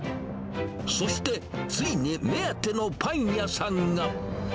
そして、ついに目当てのパン屋さんが。